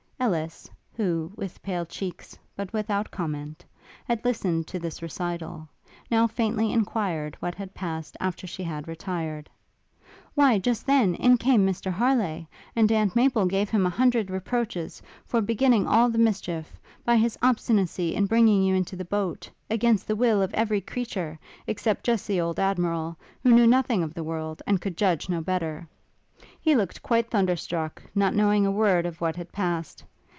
Ellis, who, with pale cheeks, but without comment, had listened to this recital, now faintly enquired what had passed after she had retired. 'Why, just then, in came Mr Harleigh, and Aunt Maple gave him a hundred reproaches, for beginning all the mischief, by his obstinacy in bringing you into the boat, against the will of every creature, except just the old Admiral, who knew nothing of the world, and could judge no better. He looked quite thunderstruck, not knowing a word of what had passed.